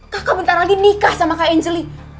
kakak bentar lagi nikah sama kak angelie